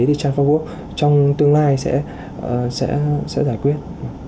thì trans bốn work trong tương lai sẽ giải quyết